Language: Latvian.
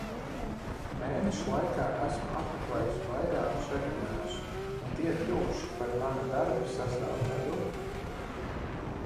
Mēneša laikā esmu apmeklējusi vairākus vebinārus un tie ir kļuvuši par mana darba sastāvdaļu.